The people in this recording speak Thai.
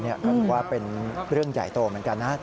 ก็ถือว่าเป็นเรื่องใหญ่โตเหมือนกันนะ